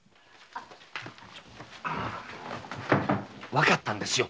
わかったんですよ